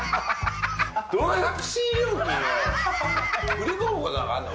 タクシー料金を振り込むことなんかあんの？